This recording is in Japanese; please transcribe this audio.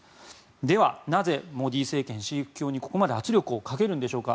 では、なぜモディ政権はシーク教にここまで圧力をかけるのでしょうか。